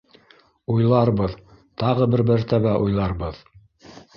Уйларбыҙ, тағы бер мәртә- бә уйларбыҙ